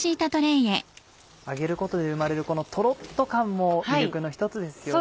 揚げることで生まれるトロっと感も魅力の１つですよね。